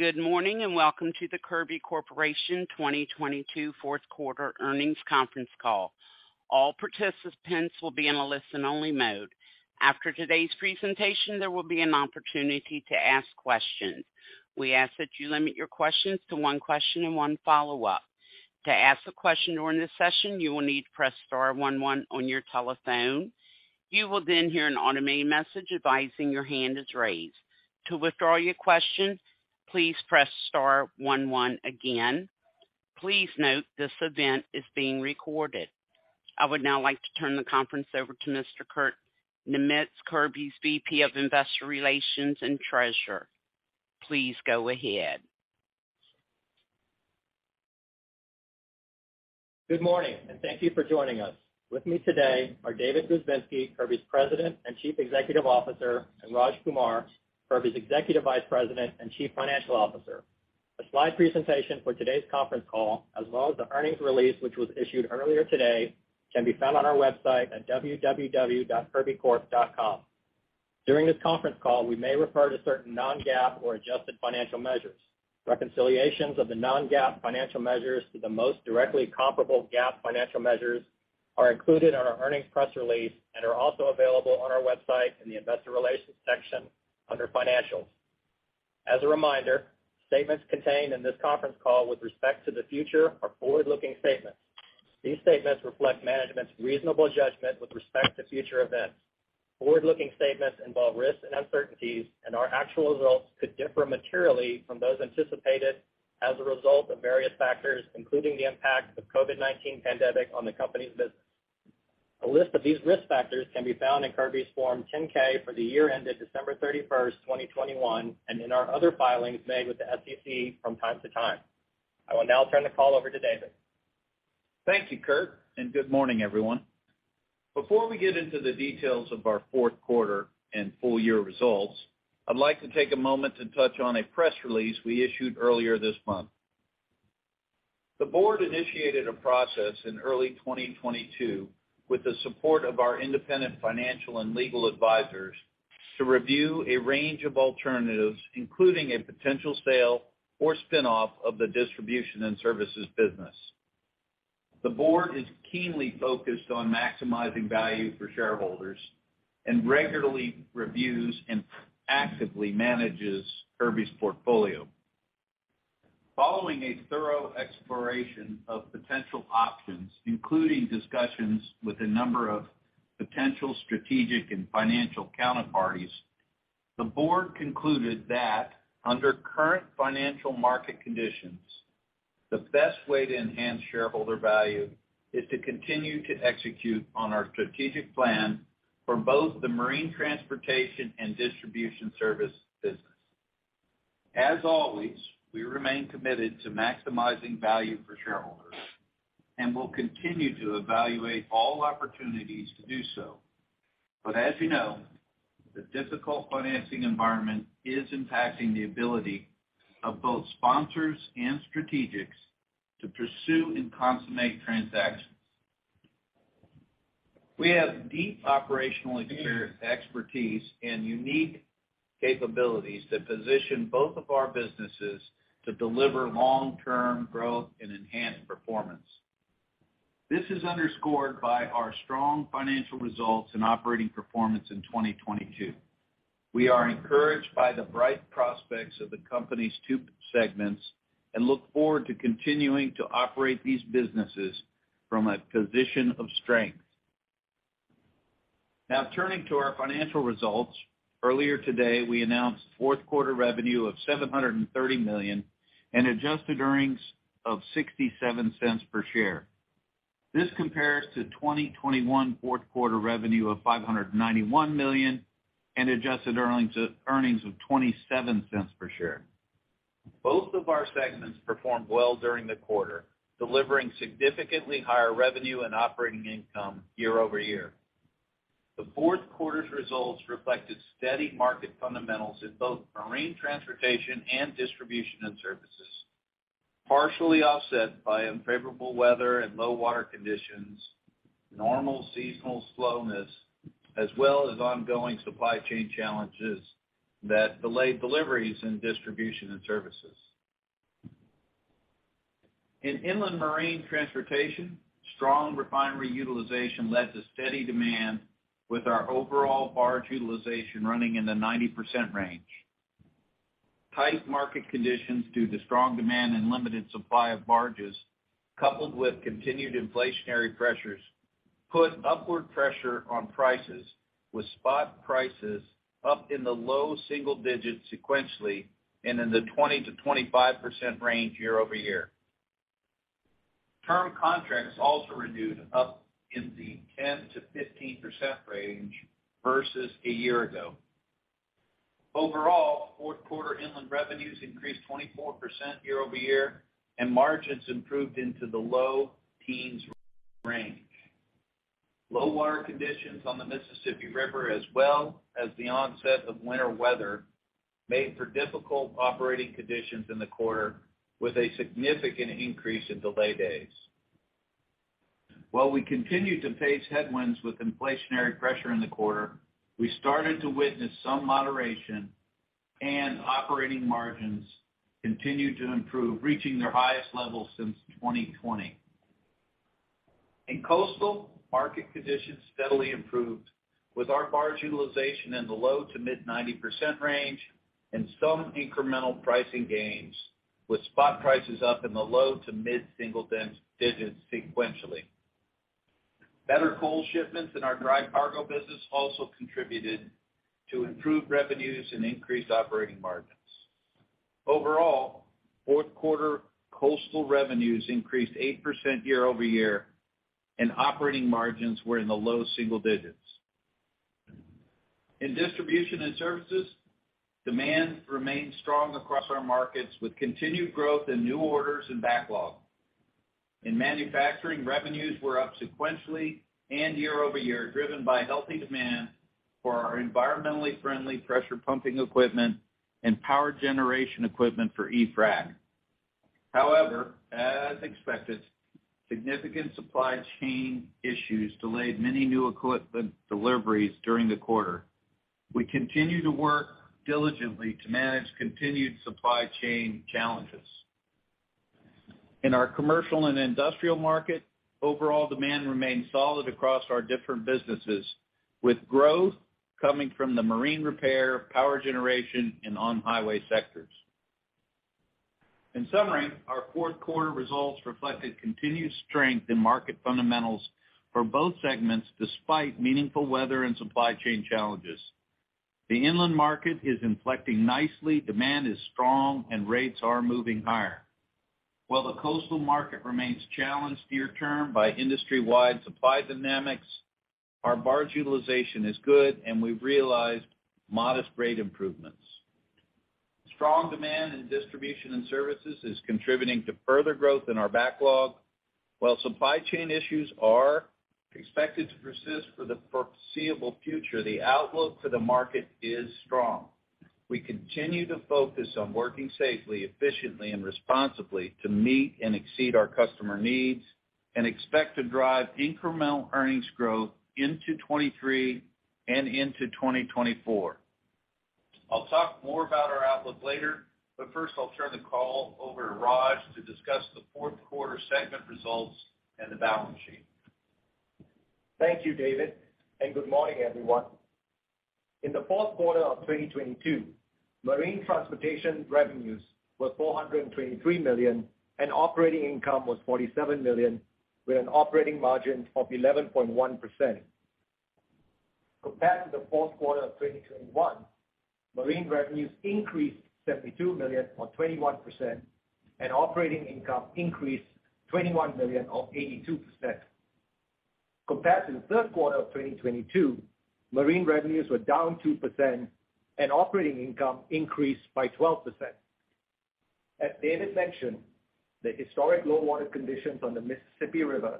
Good morning, welcome to the Kirby Corporation 2022 fourth quarter earnings conference call. All participants will be in a listen-only mode. After today's presentation, there will be an opportunity to ask questions. We ask that you limit your questions to one question and one follow-up. To ask a question during the session, you will need to press star one one on your telephone. You will hear an automated message advising your hand is raised. To withdraw your question, please press star one one again. Please note this event is being recorded. I would now like to turn the conference over to Mr. Kurt Niemietz, Kirby's VP of Investor Relations and Treasurer. Please go ahead. Good morning, and thank you for joining us. With me today are David Grzebinski, Kirby's President and Chief Executive Officer, and Raj Kumar, Kirby's Executive Vice President and Chief Financial Officer. A slide presentation for today's conference call, as well as the earnings release, which was issued earlier today, can be found on our website at www.kirbycorp.com. During this conference call, we may refer to certain non-GAAP or adjusted financial measures. Reconciliations of the non-GAAP financial measures to the most directly comparable GAAP financial measures are included in our earnings press release and are also available on our website in the Investor Relations section under Financials. As a reminder, statements contained in this conference call with respect to the future are forward-looking statements. These statements reflect management's reasonable judgment with respect to future events. Forward-looking statements involve risks and uncertainties, and our actual results could differ materially from those anticipated as a result of various factors, including the impact of COVID-19 pandemic on the company's business. A list of these risk factors can be found in Kirby's Form 10-K for the year ended December 31st, 2021, and in our other filings made with the SEC from time to time. I will now turn the call over to David. Thank you, Kurt. Good morning, everyone. Before we get into the details of our fourth quarter and full year results, I'd like to take a moment to touch on a press release we issued earlier this month. The board initiated a process in early 2022 with the support of our independent financial and legal advisors to review a range of alternatives, including a potential sale or spin-off of the Distribution and Services business. The board is keenly focused on maximizing value for shareholders and regularly reviews and actively manages Kirby's portfolio. Following a thorough exploration of potential options, including discussions with a number of potential strategic and financial counterparties, the board concluded that under current financial market conditions, the best way to enhance shareholder value is to continue to execute on our strategic plan for both the Marine Transportation and Distribution and Services business. As always, we remain committed to maximizing value for shareholders and will continue to evaluate all opportunities to do so. As you know, the difficult financing environment is impacting the ability of both sponsors and strategics to pursue and consummate transactions. We have deep operational experience, expertise and unique capabilities that position both of our businesses to deliver long-term growth and enhanced performance. This is underscored by our strong financial results and operating performance in 2022. We are encouraged by the bright prospects of the company's two segments and look forward to continuing to operate these businesses from a position of strength. Now turning to our financial results. Earlier today, we announced fourth quarter revenue of $730 million and adjusted earnings of $0.67 per share. This compares to 2021 fourth quarter revenue of $591 million and adjusted earnings of $0.27 per share. Both of our segments performed well during the quarter, delivering significantly higher revenue and operating income year-over-year. The fourth quarter's results reflected steady market fundamentals in both Marine Transportation and Distribution and Services, partially offset by unfavorable weather and low water conditions, normal seasonal slowness, as well as ongoing supply chain challenges that delayed deliveries in Distribution and Services. In inland Marine Transportation, strong refinery utilization led to steady demand with our overall barge utilization running in the 90% range. Tight market conditions due to strong demand and limited supply of barges, coupled with continued inflationary pressures, put upward pressure on prices with spot prices up in the low single digits sequentially and in the 20%-25% range year-over-year. Term contracts also renewed up in the 10%-15% range versus a year ago. Overall, fourth quarter inland revenues increased 24% year-over-year. Margins improved into the low teens range. Low water conditions on the Mississippi River, as well as the onset of winter weather, made for difficult operating conditions in the quarter with a significant increase in delay days. While we continued to face headwinds with inflationary pressure in the quarter, we started to witness some moderation and operating margins continued to improve, reaching their highest level since 2020. In coastal, market conditions steadily improved with our barge utilization in the low to mid 90% range and some incremental pricing gains, with spot prices up in the low to mid-single digits sequentially. Better coal shipments in our dry cargo business also contributed to improved revenues and increased operating margins. Overall, fourth quarter coastal revenues increased 8% year-over-year, and operating margins were in the low single digits. In Distribution and Services, demand remained strong across our markets, with continued growth in new orders and backlog. In manufacturing, revenues were up sequentially and year-over-year, driven by healthy demand for our environmentally friendly pressure pumping equipment and power generation equipment for EFRAC. However, as expected, significant supply chain issues delayed many new equipment deliveries during the quarter. We continue to work diligently to manage continued supply chain challenges. In our commercial and industrial market, overall demand remained solid across our different businesses, with growth coming from the marine repair, power generation, and on-highway sectors. In summary, our fourth quarter results reflected continued strength in market fundamentals for both segments, despite meaningful weather and supply chain challenges. The inland market is inflecting nicely, demand is strong, and rates are moving higher. While the coastal market remains challenged near term by industry-wide supply dynamics, our barge utilization is good, and we've realized modest rate improvements. Strong demand in Distribution and Services is contributing to further growth in our backlog. While supply chain issues are expected to persist for the foreseeable future, the outlook for the market is strong. We continue to focus on working safely, efficiently, and responsibly to meet and exceed our customer needs and expect to drive incremental earnings growth into 2023 and into 2024. I'll talk more about our outlook later, but first I'll turn the call over to Raj to discuss the fourth quarter segment results and the balance sheet. Thank you, David, and good morning, everyone. In the fourth quarter of 2022, Marine Transportation revenues was $423 million, and operating income was $47 million, with an operating margin of 11.1%. Compared to the fourth quarter of 2021, Marine revenues increased $72 million, or 21%, and operating income increased $21 million of 82%. Compared to the third quarter of 2022, Marine revenues were down 2% and operating income increased by 12%. As David mentioned, the historic low water conditions on the Mississippi River,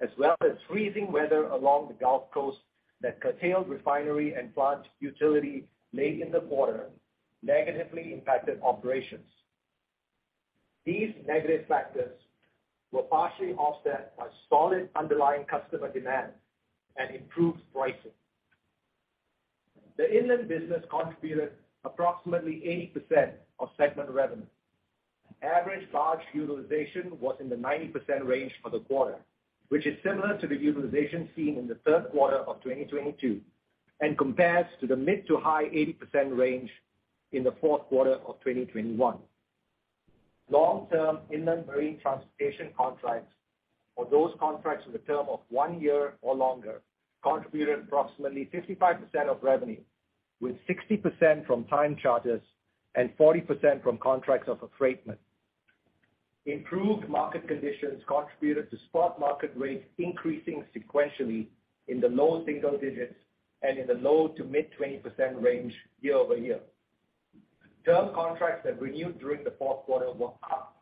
as well as freezing weather along the Gulf Coast that curtailed refinery and plant utility late in the quarter, negatively impacted operations. These negative factors were partially offset by solid underlying customer demand and improved pricing. The inland business contributed approximately 80% of segment revenue. Average barge utilization was in the 90% range for the quarter, which is similar to the utilization seen in the third quarter of 2022 and compares to the mid-to-high 80% range in the fourth quarter of 2021. Long-term inland marine transportation contracts for those contracts with a term of one year or longer contributed approximately 55% of revenue, with 60% from time charters and 40% from contracts of affreightment. Improved market conditions contributed to spot market rates increasing sequentially in the low single digits and in the low-to-mid 20% range year-over-year. Term contracts that renewed during the fourth quarter were up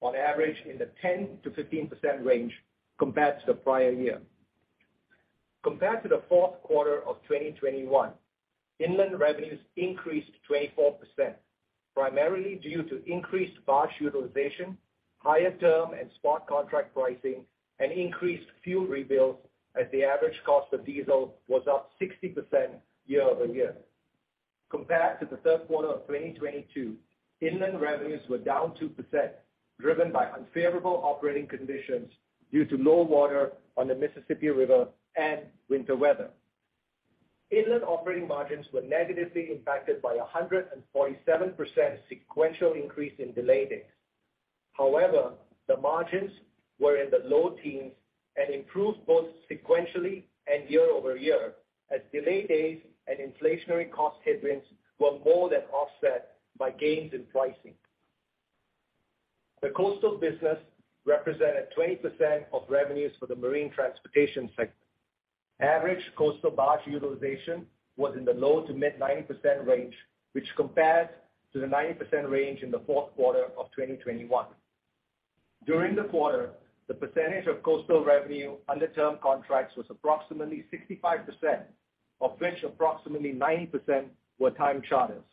on average in the 10%-15% range compared to the prior year. Compared to the fourth quarter of 2021, inland revenues increased 24%, primarily due to increased barge utilization, higher term and spot contract pricing, and increased fuel rebuilds as the average cost of diesel was up 60% year-over-year. Compared to the third quarter of 2022, inland revenues were down 2%, driven by unfavorable operating conditions due to low water on the Mississippi River and winter weather. Inland operating margins were negatively impacted by a 147% sequential increase in delay days. However, the margins were in the low teens and improved both sequentially and year-over-year as delay days and inflationary cost headwinds were more than offset by gains in pricing. The coastal business represented 20% of revenues for the Marine Transportation segment. Average coastal barge utilization was in the low to mid 90% range, which compares to the 90% range in the fourth quarter of 2021. During the quarter, the percentage of coastal revenue under term contracts was approximately 65%, of which approximately 90% were time charters.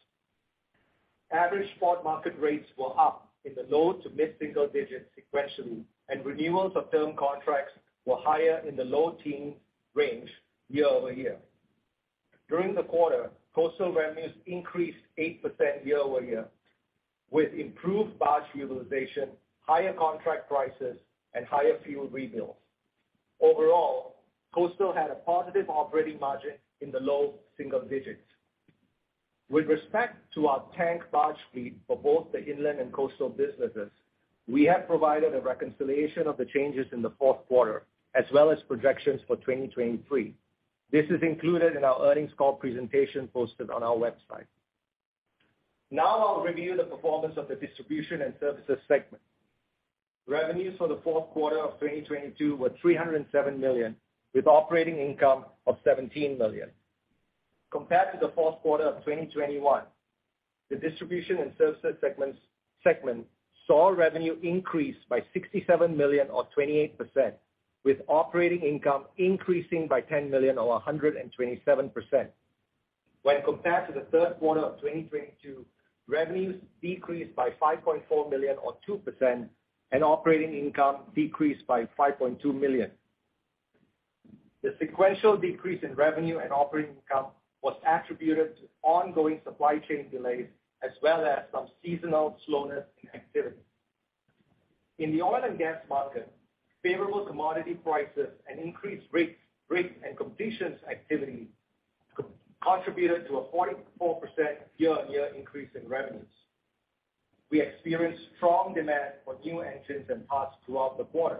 Average spot market rates were up in the low to mid-single digits sequentially, and renewals of term contracts were higher in the low teen range year-over-year. During the quarter, coastal revenues increased 8% year-over-year, with improved barge utilization, higher contract prices, and higher fuel rebills. Overall, coastal had a positive operating margin in the low single digits. With respect to our tank barge fleet for both the inland and coastal businesses, we have provided a reconciliation of the changes in the fourth quarter, as well as projections for 2023. This is included in our earnings call presentation posted on our website. I'll review the performance of the Distribution and Services segment. Revenues for the fourth quarter of 2022 were $307 million, with operating income of $17 million. Compared to the fourth quarter of 2021, the Distribution and Services segment saw revenue increase by $67 million or 28%, with operating income increasing by $10 million or 127%. Compared to the third quarter of 2022, revenues decreased by $5.4 million or 2%, and operating income decreased by $5.2 million. The sequential decrease in revenue and operating income was attributed to ongoing supply chain delays, as well as some seasonal slowness in activity. In the oil and gas market, favorable commodity prices and increased rig and completions activity contributed to a 44% year-on-year increase in revenues. We experienced strong demand for new engines and parts throughout the quarter.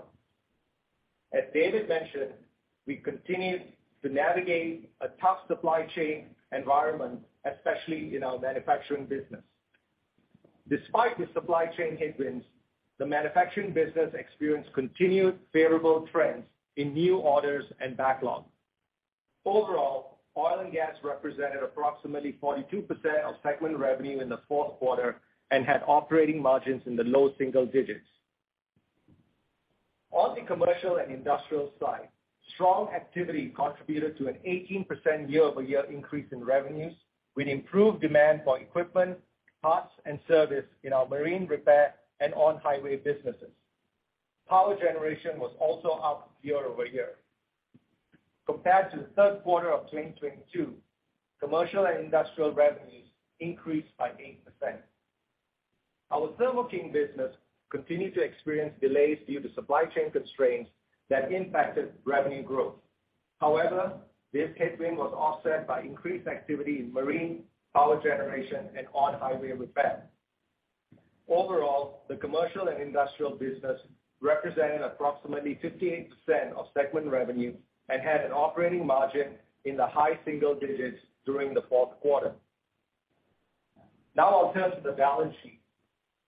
As David mentioned, we continued to navigate a tough supply chain environment, especially in our manufacturing business. Despite the supply chain headwinds, the manufacturing business experienced continued favorable trends in new orders and backlog. Overall, oil and gas represented approximately 42% of segment revenue in the fourth quarter and had operating margins in the low single digits. On the commercial and industrial side, strong activity contributed to an 18% year-over-year increase in revenues with improved demand for equipment, parts, and service in our marine repair and on-highway businesses. Power generation was also up year-over-year. Compared to the third quarter of 2022, commercial and industrial revenues increased by 8%. Our Thermo King business continued to experience delays due to supply chain constraints that impacted revenue growth. This headwind was offset by increased activity in marine, power generation, and on-highway repair. The commercial and industrial business represented approximately 58% of segment revenue and had an operating margin in the high single digits during the fourth quarter. I'll turn to the balance sheet.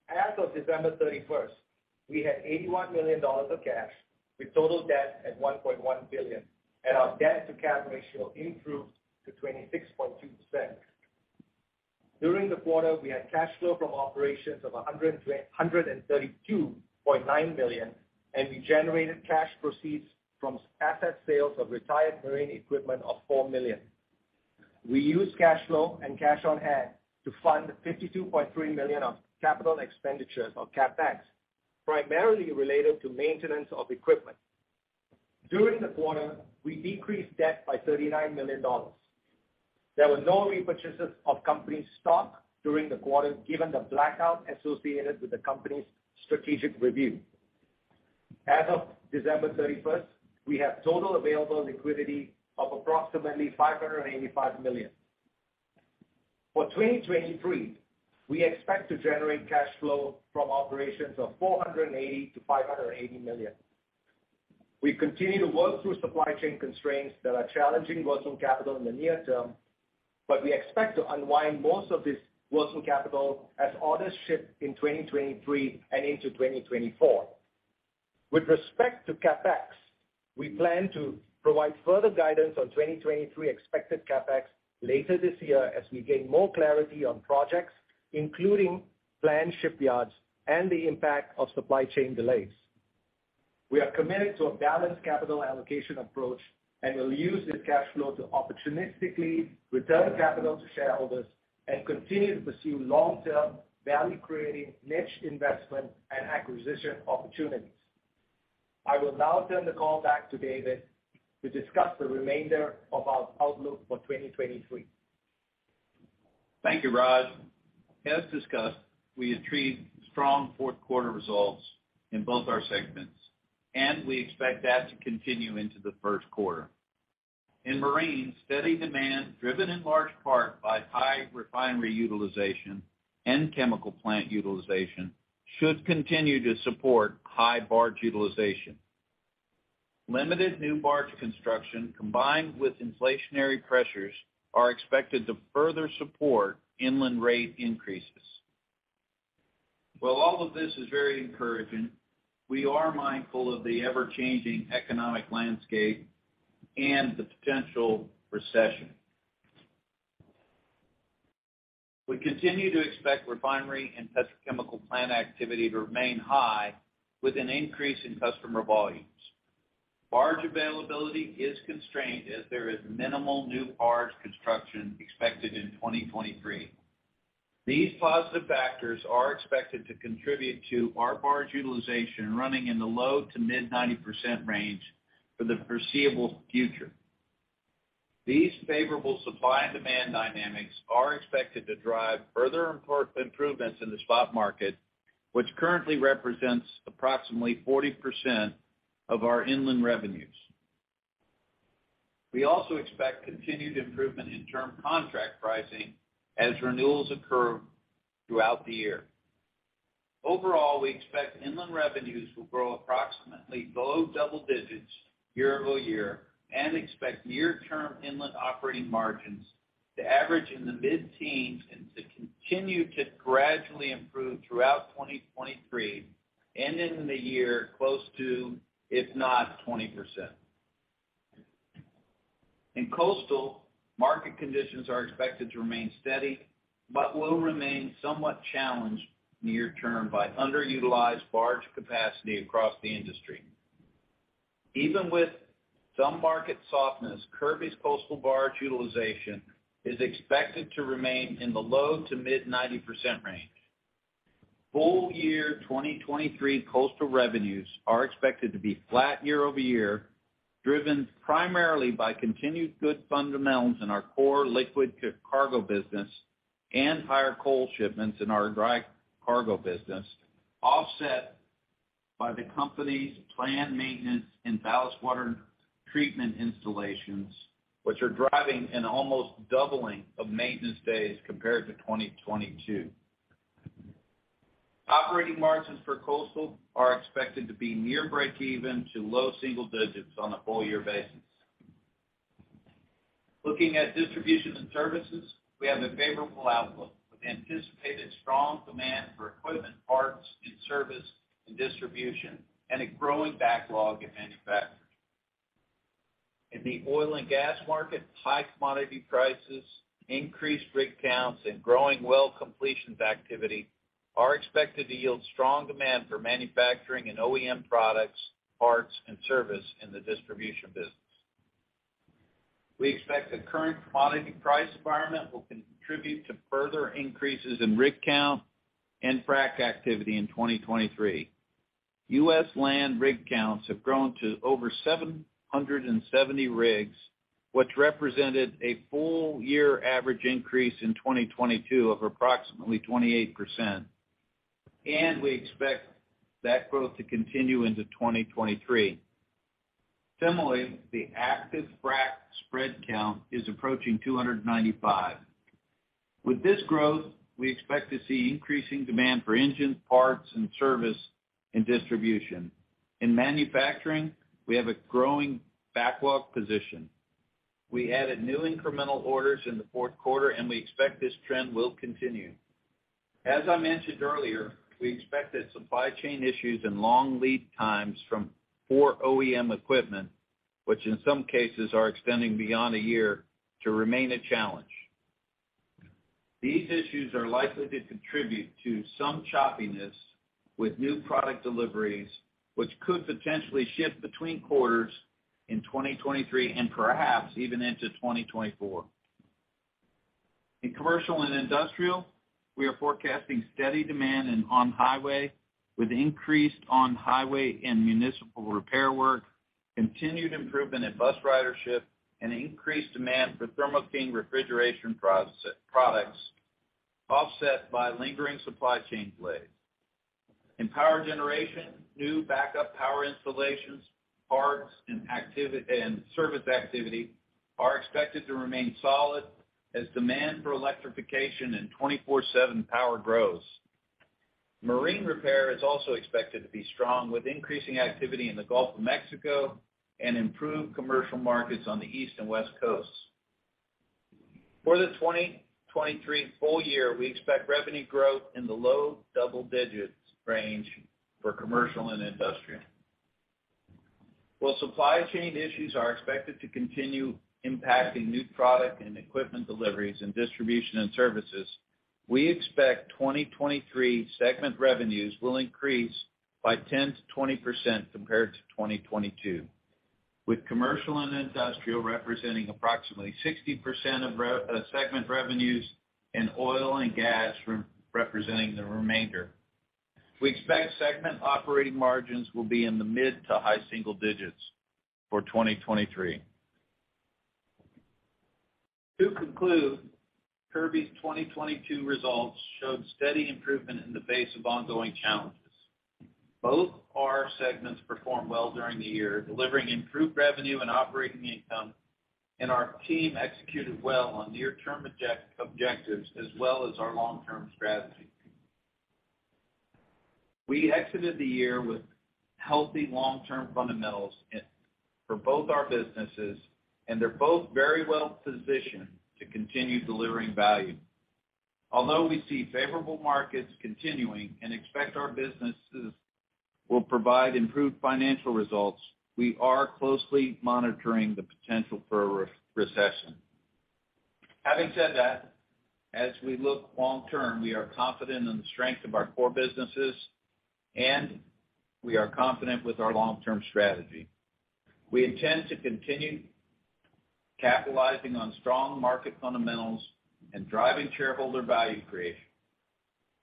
As of December 31st, we had $81 million of cash with total debt at $1.1 billion, and our debt-to-cash ratio improved to 26.2%. During the quarter, we had cash flow from operations of $132.9 million, and we generated cash proceeds from asset sales of retired marine equipment of $4 million. We used cash flow and cash on hand to fund $52.3 million of capital expenditures or CapEx, primarily related to maintenance of equipment. During the quarter, we decreased debt by $39 million. There were no repurchases of company stock during the quarter, given the blackout associated with the company's strategic review. As of December 31st, we have total available liquidity of approximately $585 million. For 2023, we expect to generate cash flow from operations of $480 million-$580 million. We continue to work through supply chain constraints that are challenging working capital in the near term. We expect to unwind most of this working capital as orders ship in 2023 and into 2024. With respect to CapEx, we plan to provide further guidance on 2023 expected CapEx later this year as we gain more clarity on projects, including planned shipyards and the impact of supply chain delays. We are committed to a balanced capital allocation approach and will use this cash flow to opportunistically return capital to shareholders and continue to pursue long-term, value-creating niche investment and acquisition opportunities. I will now turn the call back to David to discuss the remainder of our outlook for 2023. Thank you, Raj. As discussed, we achieved strong fourth quarter results in both our segments, and we expect that to continue into the first quarter. In marine, steady demand, driven in large part by high refinery utilization and chemical plant utilization, should continue to support high barge utilization. Limited new barge construction combined with inflationary pressures are expected to further support inland rate increases. While all of this is very encouraging, we are mindful of the ever-changing economic landscape and the potential recession. We continue to expect refinery and petrochemical plant activity to remain high with an increase in customer volumes. Barge availability is constrained as there is minimal new barge construction expected in 2023. These positive factors are expected to contribute to our barge utilization running in the low to mid 90% range for the foreseeable future. These favorable supply and demand dynamics are expected to drive further improvements in the spot market, which currently represents approximately 40% of our inland revenues. We also expect continued improvement in term contract pricing as renewals occur throughout the year. Overall, we expect inland revenues will grow approximately low double digits year-over-year and expect near-term inland operating margins to average in the mid-teens and to continue to gradually improve throughout 2023 and into the year close to, if not 20%. In coastal, market conditions are expected to remain steady, but will remain somewhat challenged near term by underutilized barge capacity across the industry. Even with some market softness, Kirby's coastal barge utilization is expected to remain in the low to mid 90% range. Full year 2023 coastal revenues are expected to be flat year-over-year, driven primarily by continued good fundamentals in our core liquid cargo business and higher coal shipments in our dry cargo business, offset by the company's planned maintenance and ballast water treatment installations, which are driving an almost doubling of maintenance days compared to 2022. Operating margins for coastal are expected to be near breakeven to low single digits on a full year basis. Looking at Distribution and Services, we have a favorable outlook with anticipated strong demand for equipment parts and service and distribution and a growing backlog in manufacturing. In the oil and gas market, high commodity prices, increased rig counts, and growing well completions activity are expected to yield strong demand for manufacturing and OEM products, parts, and service in the distribution business. We expect the current commodity price environment will contribute to further increases in rig count and frac activity in 2023. U.S. land rig counts have grown to over 770 rigs, which represented a full year average increase in 2022 of approximately 28%. We expect that growth to continue into 2023. Similarly, the active frac spread count is approaching 295. With this growth, we expect to see increasing demand for engines, parts, and service in distribution. In manufacturing, we have a growing backlog position. We added new incremental orders in the fourth quarter, and we expect this trend will continue. As I mentioned earlier, we expect that supply chain issues and long lead times for OEM equipment, which in some cases are extending beyond one year, to remain a challenge. These issues are likely to contribute to some choppiness with new product deliveries, which could potentially shift between quarters in 2023 and perhaps even into 2024. In commercial and industrial, we are forecasting steady demand in on-highway, with increased on-highway and municipal repair work, continued improvement in bus ridership, and increased demand for Thermo King refrigeration products, offset by lingering supply chain delays. In power generation, new backup power installations, parts and service activity are expected to remain solid as demand for electrification and 24/7 power grows. Marine repair is also expected to be strong, with increasing activity in the Gulf of Mexico and improved commercial markets on the East and West Coasts. For the 2023 full year, we expect revenue growth in the low double digits range for commercial and industrial. While supply chain issues are expected to continue impacting new product and equipment deliveries in Distribution and Services, we expect 2023 segment revenues will increase by 10%-20% compared to 2022, with commercial and industrial representing approximately 60% of segment revenues and oil and gas representing the remainder. We expect segment operating margins will be in the mid to high single digits for 2023. To conclude, Kirby's 2022 results showed steady improvement in the face of ongoing challenges. Both our segments performed well during the year, delivering improved revenue and operating income. Our team executed well on near-term objectives as well as our long-term strategy. We exited the year with healthy long-term fundamentals for both our businesses, and they're both very well positioned to continue delivering value. Although we see favorable markets continuing and expect our businesses will provide improved financial results, we are closely monitoring the potential for a re-recession. Having said that, as we look long term, we are confident in the strength of our core businesses, and we are confident with our long-term strategy. We intend to continue capitalizing on strong market fundamentals and driving shareholder value creation.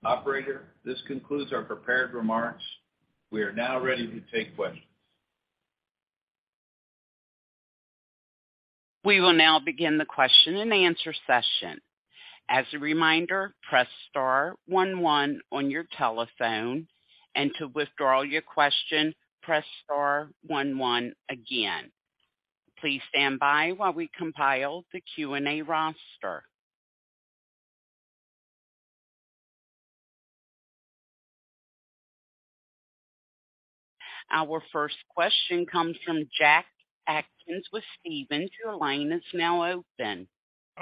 Operator, this concludes our prepared remarks. We are now ready to take questions. We will now begin the question-and-answer session. As a reminder, press star one one on your telephone, and to withdraw your question, press star one one again. Please stand by while we compile the Q&A roster. Our first question comes from Jack Atkins with Stephens. Your line is now open.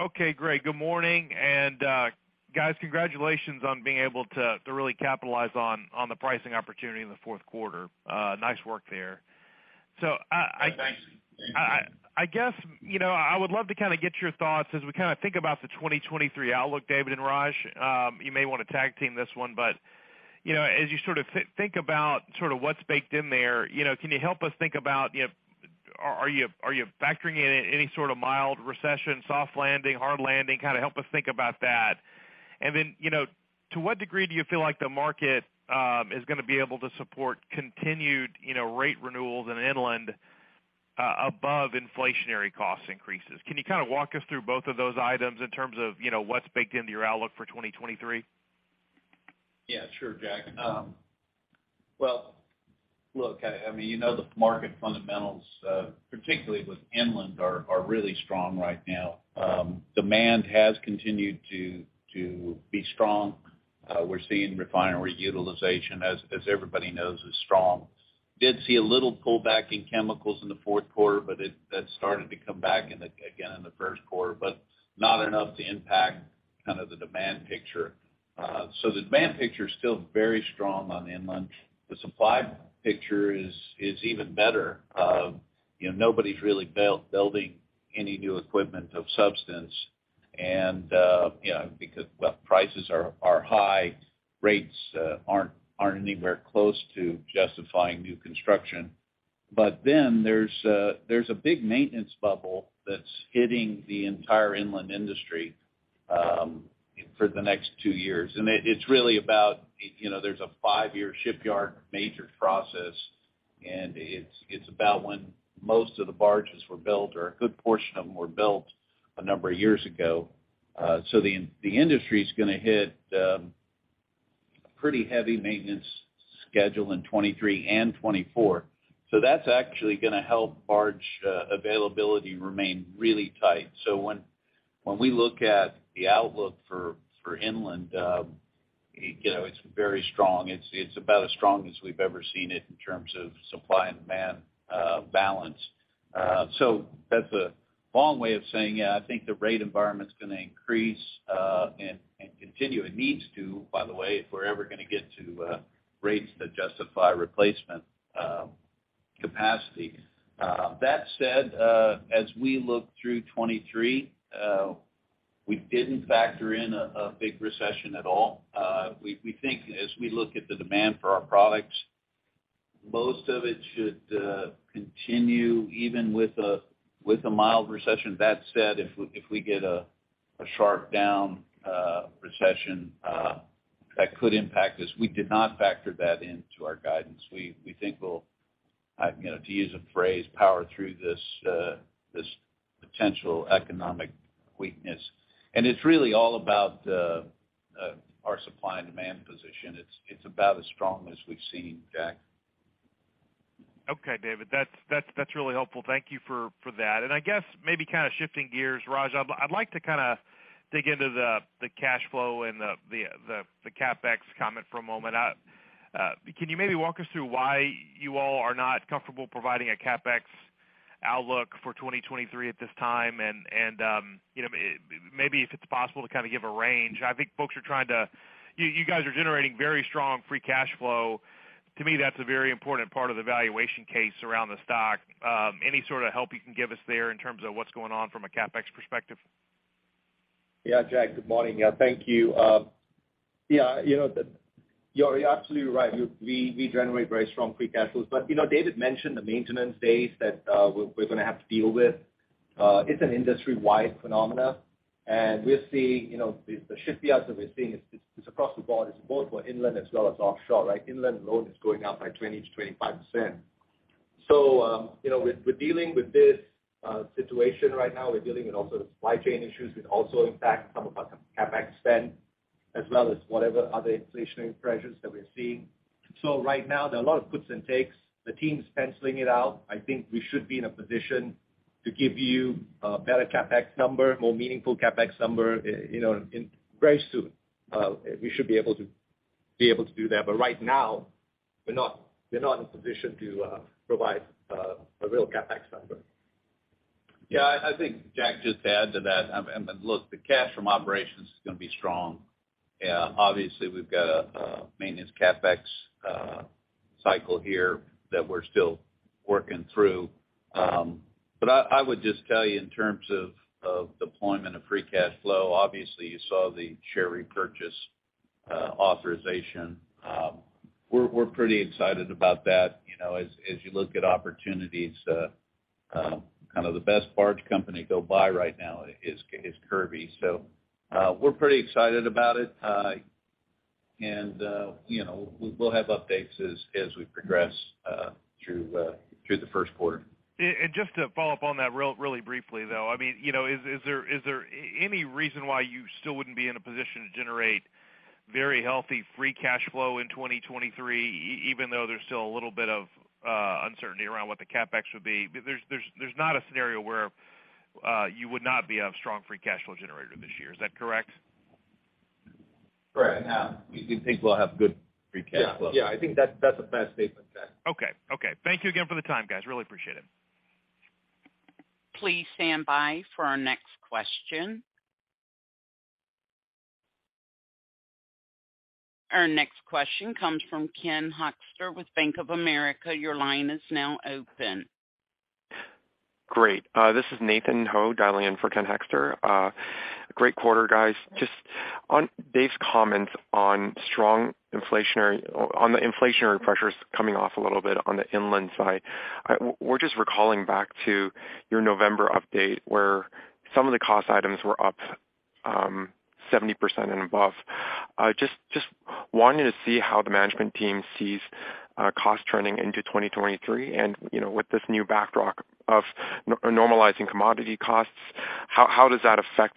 Okay, great. Good morning. Guys, congratulations on being able to really capitalize on the pricing opportunity in the fourth quarter. Nice work there. Thanks. I guess, you know, I would love to kind of get your thoughts as we kind of think about the 2023 outlook, David and Raj. You may want to tag team this one, but, you know, as you sort of think about sort of what's baked in there, you know, can you help us think about, you know, are you, are you factoring in any sort of mild recession, soft landing, hard landing? Kind of help us think about that. You know, to what degree do you feel like the market is gonna be able to support continued, you know, rate renewals in inland, above inflationary cost increases? Can you kind of walk us through both of those items in terms of, you know, what's baked into your outlook for 2023? Yeah, sure, Jack. Well, look, I mean, you know the market fundamentals, particularly with inland are really strong right now. Demand has continued to be strong. We're seeing refinery utilization as everybody knows, is strong. Did see a little pullback in chemicals in the fourth quarter, but that started to come back again in the first quarter, but not enough to impact kind of the demand picture. The demand picture is still very strong on inland. The supply picture is even better. You know, nobody's really building any new equipment of substance and, you know, because, well, prices are high, rates aren't anywhere close to justifying new construction. There's a big maintenance bubble that's hitting the entire inland industry for the next two years. It's really about, you know, there's a five-year shipyard major process, and it's about when most of the barges were built or a good portion of them were built a number of years ago. The industry's gonna hit a pretty heavy maintenance schedule in 2023 and 2024. That's actually gonna help barge availability remain really tight. When we look at the outlook for inland, you know, it's very strong. It's about as strong as we've ever seen it in terms of supply and demand balance. That's a long way of saying, yeah, I think the rate environment's gonna increase and continue. It needs to, by the way, if we're ever gonna get to rates that justify replacement capacity. That said, as we look through 2023, we didn't factor in a big recession at all. We think as we look at the demand for our products, most of it should continue even with a mild recession. That said, if we get a sharp down recession, that could impact us. We did not factor that into our guidance. We think we'll, you know, to use a phrase, power through this potential economic weakness. It's really all about our supply and demand position. It's about as strong as we've seen, Jack. Okay, David. That's really helpful. Thank you for that. I guess maybe kind of shifting gears, Raj, I'd like to kind of dig into the cash flow and the CapEx comment for a moment. Can you maybe walk us through why you all are not comfortable providing a CapEx outlook for 2023 at this time? You know, maybe if it's possible to kind of give a range. I think folks are trying to. You guys are generating very strong free cash flow. To me, that's a very important part of the valuation case around the stock. Any sort of help you can give us there in terms of what's going on from a CapEx perspective? Jack, good morning. Thank you. You know, you're absolutely right. We generate very strong free cash flows. You know, David mentioned the maintenance days that we're gonna have to deal with. It's an industry-wide phenomena, and we're seeing, you know, the shipyards that we're seeing, it's across the board. It's both for inland as well as offshore, right? Inland load is going up by 20%-25%. You know, we're dealing with this situation right now. We're dealing with also the supply chain issues, which also impact some of our CapEx spend as well as whatever other inflationary pressures that we're seeing. Right now there are a lot of puts and takes. The team is penciling it out. I think we should be in a position to give you a better CapEx number, more meaningful CapEx number, you know, very soon. We should be able to do that. Right now, we're not in a position to provide a real CapEx number. Yeah, I think Jack just add to that. The cash from operations is gonna be strong. Obviously, we've got a maintenance CapEx Cycle here that we're still working through. I would just tell you in terms of deployment of free cash flow, obviously, you saw the share repurchase authorization. We're pretty excited about that. You know, as you look at opportunities, kind of the best barge company go buy right now is Kirby. We're pretty excited about it. You know, we'll have updates as we progress through the first quarter. Just to follow up on that really briefly, though. I mean, you know, is there any reason why you still wouldn't be in a position to generate very healthy free cash flow in 2023, even though there's still a little bit of uncertainty around what the CapEx would be? There's not a scenario where you would not be a strong free cash flow generator this year. Is that correct? Correct. Yeah. We think we'll have good free cash flow. Yeah. Yeah. I think that's a fair statement, Jack. Okay. Thank you again for the time, guys. Really appreciate it. Please stand by for our next question. Our next question comes from Ken Hoexter with Bank of America. Your line is now open. Great. This is Nathan Ho dialing in for Ken Hoexter. Great quarter, guys. Just on David's comments on the inflationary pressures coming off a little bit on the inland side. We're just recalling back to your November update, where some of the cost items were up, 70% and above. Just wanting to see how the management team sees costs turning into 2023 and, you know, with this new backdrop of normalizing commodity costs, how does that affect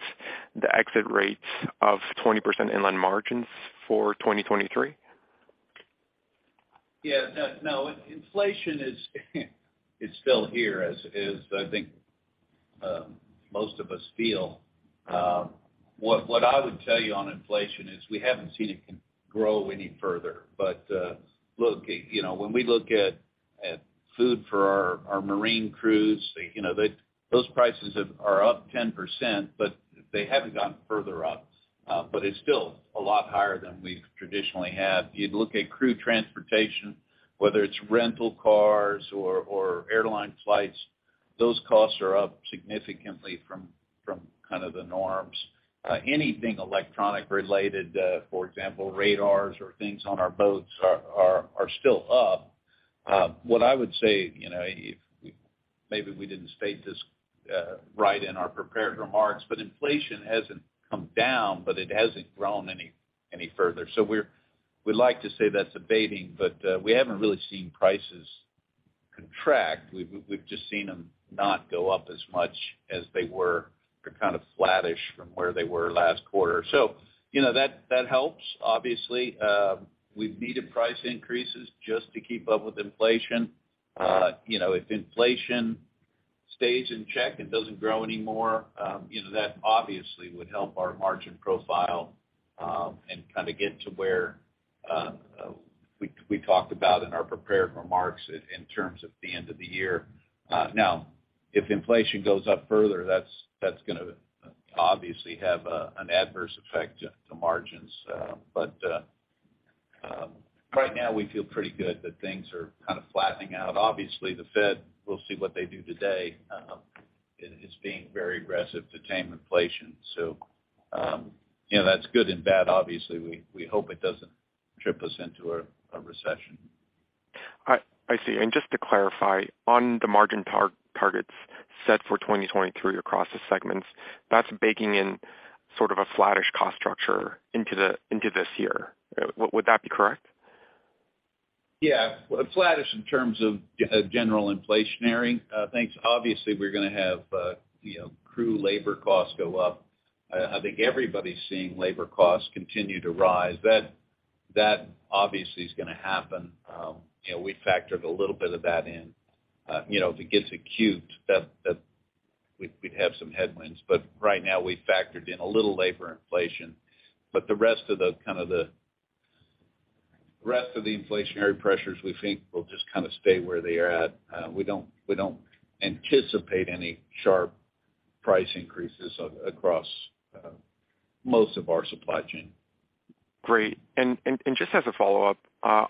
the exit rates of 20% inland margins for 2023? Yeah. No, no. Inflation is still here, as is I think, most of us feel. What I would tell you on inflation is we haven't seen it grow any further. Look, you know, when we look at food for our marine crews, you know, those prices are up 10%, but they haven't gone further up. It's still a lot higher than we've traditionally had. You look at crew transportation, whether it's rental cars or airline flights, those costs are up significantly from kind of the norms. Anything electronic related, for example, radars or things on our boats are still up. What I would say, you know, if maybe we didn't state this right in our prepared remarks, inflation hasn't come down, but it hasn't grown any further. We'd like to say that's abating, but we haven't really seen prices contract. We've just seen them not go up as much as they were. They're kind of flattish from where they were last quarter. You know, that helps. Obviously, we've needed price increases just to keep up with inflation. You know, if inflation stays in check and doesn't grow any more, you know, that obviously would help our margin profile and kind of get to where we talked about in our prepared remarks in terms of the end of the year. Now, if inflation goes up further, that's gonna obviously have an adverse effect to margins. Right now we feel pretty good that things are kind of flattening out. Obviously, the Fed, we'll see what they do today, is being very aggressive to tame inflation. You know, that's good and bad. Obviously, we hope it doesn't trip us into a recession. I see. Just to clarify, on the margin targets set for 2023 across the segments, that's baking in sort of a flattish cost structure into this year. Would that be correct? Yeah. Flattish in terms of general inflationary things. Obviously, we're gonna have, you know, crew labor costs go up. I think everybody's seeing labor costs continue to rise. That obviously is gonna happen. You know, we factored a little bit of that in. You know, if it gets acute, we'd have some headwinds. Right now, we factored in a little labor inflation. The rest of the inflationary pressures we think will just kind of stay where they are at. We don't anticipate any sharp price increases across most of our supply chain. Great. Just as a follow-up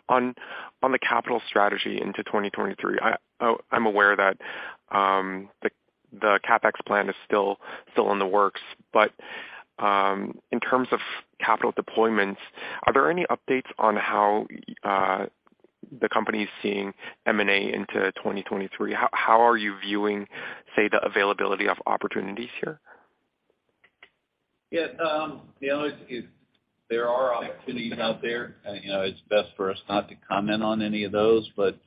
on the capital strategy into 2023, I'm aware that the CapEx plan is still in the works. In terms of capital deployments, are there any updates on how the company's seeing M&A into 2023? How are you viewing, say, the availability of opportunities here? You know, there are opportunities out there. You know, it's best for us not to comment on any of those. Look,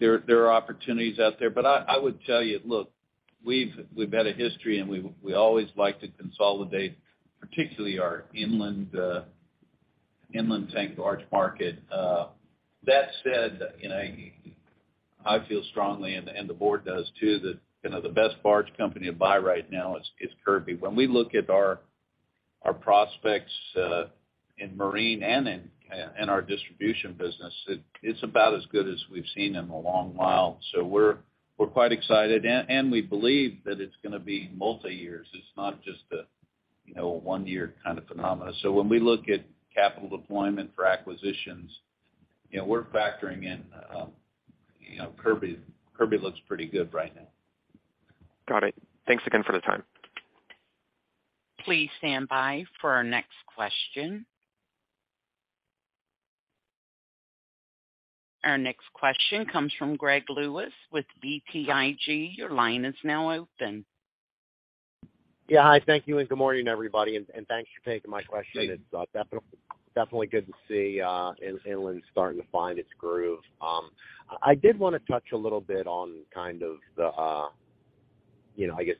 there are opportunities out there. I would tell you, look, we've had a history, and we always like to consolidate, particularly our inland tank barge market. That said, you know, I feel strongly, and the, and the board does too, that, you know, the best barge company to buy right now is Kirby. When we look at our prospects, in marine and in our distribution business, it's about as good as we've seen in a long while. We're, we're quite excited and we believe that it's gonna be multi-years. It's not just one year kind of phenomena. When we look at capital deployment for acquisitions, you know, we're factoring in, you know, Kirby looks pretty good right now. Got it. Thanks again for the time. Please stand by for our next question. Our next question comes from Gregory Lewis with BTIG. Your line is now open. Yeah. Hi, thank you, good morning, everybody, and thanks for taking my question. Hey. It's definitely good to see inland starting to find its groove. I did wanna touch a little bit on kind of the, you know, I guess,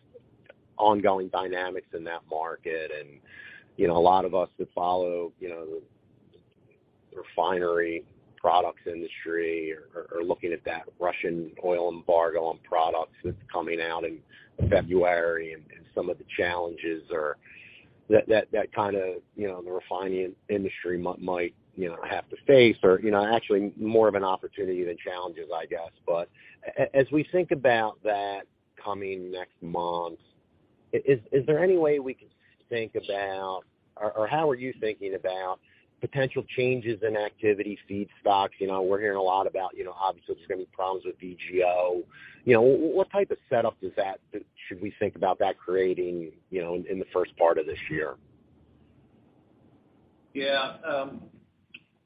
ongoing dynamics in that market. You know, a lot of us that follow, you know, the refinery products industry are looking at that Russian oil embargo on products that's coming out in February and some of the challenges that kinda, you know, the refining industry might, you know, have to face or, you know, actually more of an opportunity than challenges, I guess. As we think about that coming next month, is there any way we can think about or, how are you thinking about potential changes in activity, feedstocks? You know, we're hearing a lot about, you know, obviously there's gonna be problems with VGO. You know, what type of setup should we think about that creating, you know, in the first part of this year? Yeah.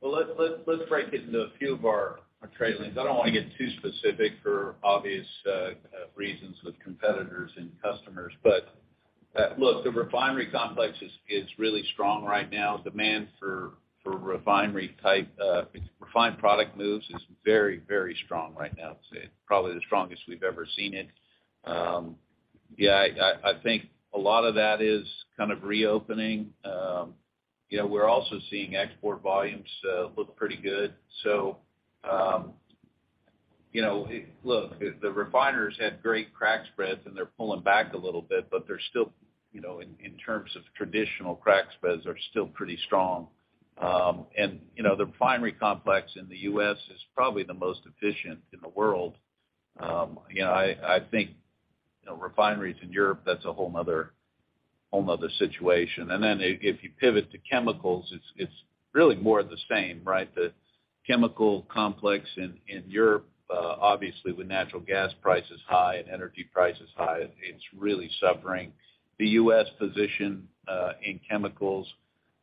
Well, let's, let's break it into a few of our trade lanes. I don't wanna get too specific for obvious reasons with competitors and customers. Look, the refinery complex is really strong right now. Demand for refinery type refined product moves is very, very strong right now. It's probably the strongest we've ever seen it. Yeah, I think a lot of that is kind of reopening. You know, we're also seeing export volumes look pretty good. You know, look, the refiners had great crack spreads, and they're pulling back a little bit, but they're still, you know, in terms of traditional crack spreads, are still pretty strong. You know, the refinery complex in the U.S. is probably the most efficient in the world. You know, I think, you know, refineries in Europe, that's a whole another situation. If you pivot to chemicals, it's really more of the same, right? The chemical complex in Europe, obviously with natural gas prices high and energy prices high, it's really suffering. The U.S. position in chemicals,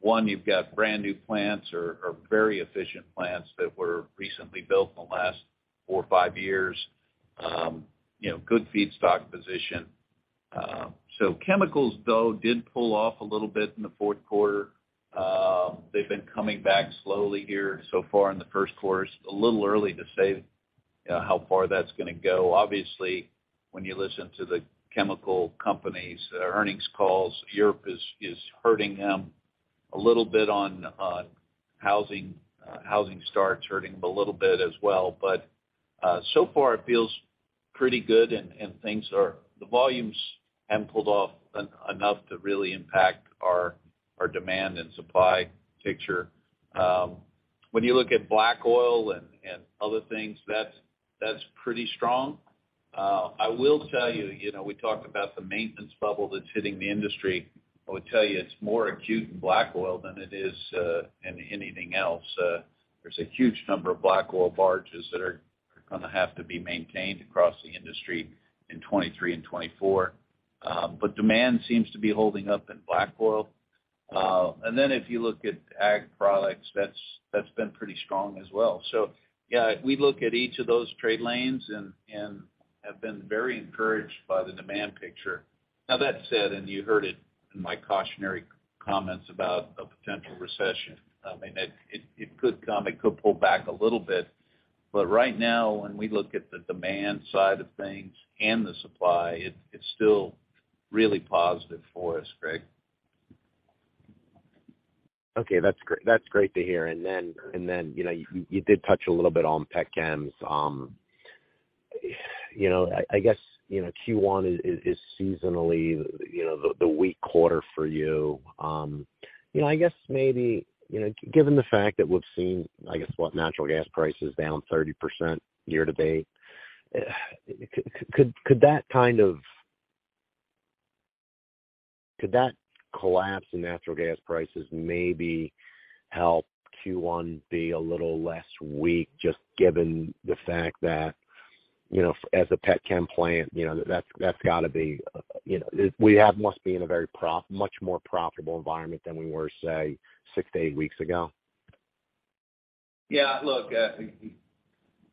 one, you've got brand new plants or very efficient plants that were recently built in the last four or five years. You know, good feedstock position. Chemicals though, did pull off a little bit in the fourth quarter. They've been coming back slowly here so far in the first quarter. It's a little early to say, you know, how far that's gonna go. Obviously, when you listen to the chemical companies' earnings calls, Europe is hurting them a little bit on housing. Housing starts hurting them a little bit as well. So far it feels pretty good and things are the volumes haven't pulled off enough to really impact our demand and supply picture. When you look at black oil and other things, that's pretty strong. I will tell you know, we talked about the maintenance bubble that's hitting the industry. I would tell you it's more acute in black oil than it is in anything else. There's a huge number of black oil barges that are gonna have to be maintained across the industry in 2023 and 2024. Demand seems to be holding up in black oil. If you look at ag products, that's been pretty strong as well. Yeah, we look at each of those trade lanes and have been very encouraged by the demand picture. That said, and you heard it in my cautionary comments about a potential recession, I mean, it could come, it could pull back a little bit. Right now, when we look at the demand side of things and the supply, it's still really positive for us, Greg. Okay. That's great, that's great to hear. You know, you did touch a little bit on pet chem plant. You know, I guess, you know, Q1 is seasonally, you know, the weak quarter for you. You know, I guess maybe, you know, given the fact that we've seen, I guess, what, natural gas prices down 30% year-to-date, could that collapse in natural gas prices maybe help Q1 be a little less weak, just given the fact that, you know, as a pet chem plant, you know, that's gotta be, you know, much more profitable environment than we were, say, six to eight weeks ago. Yeah. Look,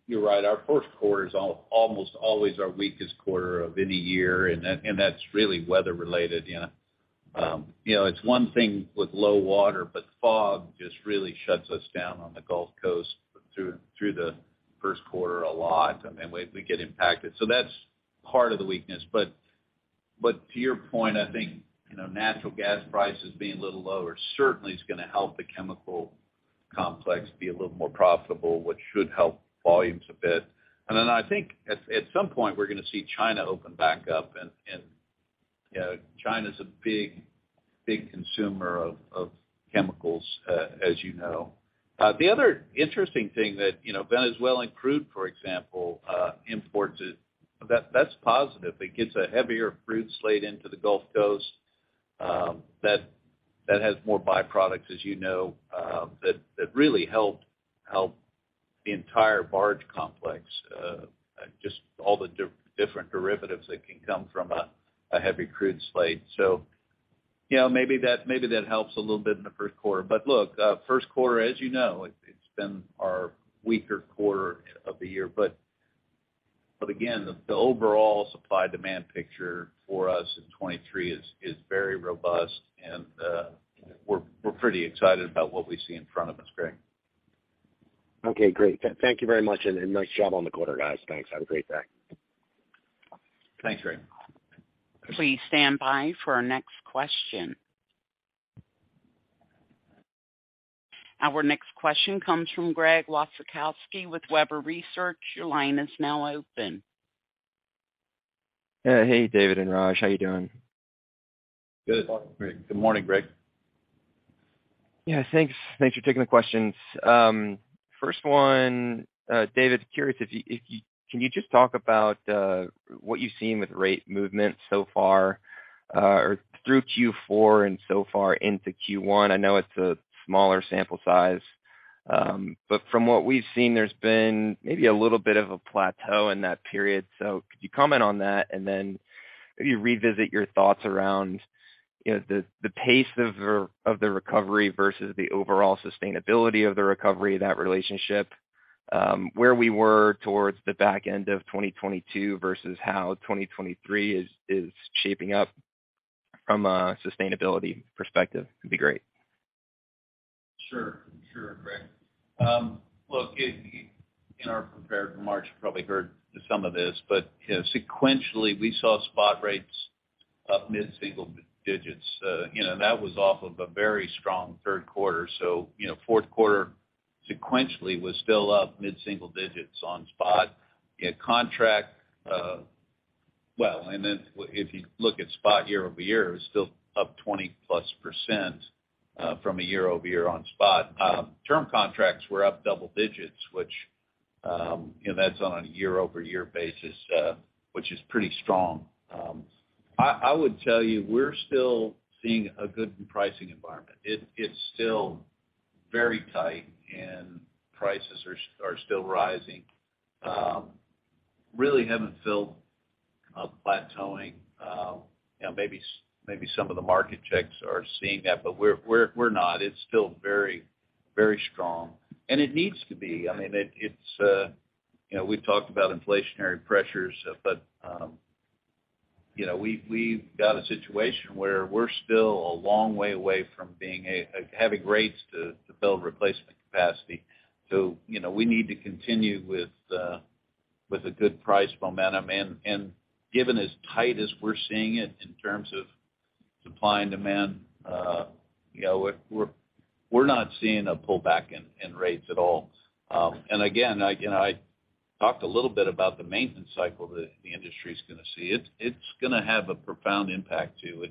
you're right. Our first quarter is almost always our weakest quarter of any year, and that's really weather related, you know? You know, it's one thing with low water, but fog just really shuts us down on the Gulf Coast through the first quarter a lot. I mean, we get impacted. That's part of the weakness. To your point, I think, you know, natural gas prices being a little lower certainly is gonna help the chemical complex be a little more profitable, which should help volumes a bit. Then I think at some point we're gonna see China open back up and, you know, China's a big consumer of chemicals, as you know. The other interesting thing that, you know, Venezuelan crude, for example, imports. That's positive. It gets a heavier crude slate into the Gulf Coast, that has more byproducts, as you know, that really help the entire barge complex, just all the different derivatives that can come from a heavy crude slate. You know, maybe that helps a little bit in the first quarter. Look, first quarter, as you know, it's been our weaker quarter of the year. Again, the overall supply-demand picture for us in 2023 is very robust and we're pretty excited about what we see in front of us, Gregory. Okay, great. Thank you very much and nice job on the quarter, guys. Thanks. Have a great day. Thanks, Gregory. Please stand by for our next question. Our next question comes from Gregory Waszkowski with Webber Research. Your line is now open. Yeah. Hey, David and Raj. How you doing? Good. Good morning, Gregory. Good morning, Gregory. Yeah, thanks. Thanks for taking the questions. First one, David, curious if you can you just talk about what you've seen with rate movement so far, or through Q4 and so far into Q1? I know it's a smaller sample size, but from what we've seen, there's been maybe a little bit of a plateau in that period. Could you comment on that? Then maybe revisit your thoughts around, you know, the pace of the, of the recovery versus the overall sustainability of the recovery, that relationship, where we were towards the back end of 2022 versus how 2023 is shaping up from a sustainability perspective would be great. Sure. Sure, Gregory. Look, if you, in our prepared remarks, you probably heard some of this, but, you know, sequentially, we saw spot rates up mid-single digits. You know, that was off of a very strong third quarter. You know, fourth quarter sequentially was still up mid-single digits on spot. You know, contract. Then if you look at spot year-over-year, it was still up 20%+ from a year-over-year on spot. Term contracts were up double digits, which, you know, that's on a year-over-year basis, which is pretty strong. I would tell you, we're still seeing a good pricing environment. It's still very tight and prices are still rising. Really haven't felt a plateauing. You know, maybe some of the market checks are seeing that, but we're not. It's still very, very strong. It needs to be. I mean, it's, you know, we've talked about inflationary pressures, but, you know, we've got a situation where we're still a long way away from having rates to build replacement capacity. You know, we need to continue with a good price momentum. Given as tight as we're seeing it in terms of supply and demand, you know, we're not seeing a pullback in rates at all. Again, like, you know, I talked a little bit about the maintenance cycle that the industry's gonna see. It's gonna have a profound impact, too.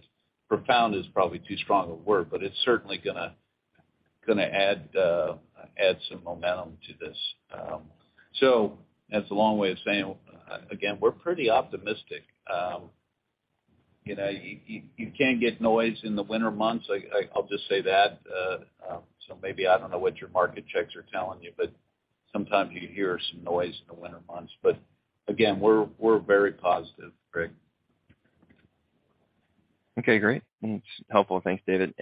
Profound is probably too strong a word, but it's certainly gonna add some momentum to this. That's a long way of saying, again, we're pretty optimistic. You know, you can get noise in the winter months. I'll just say that. Maybe I don't know what your market checks are telling you, but sometimes you hear some noise in the winter months. Again, we're very positive, Gregory. Okay, great. That's helpful. Thanks, David.